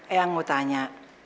eh aku mau tanya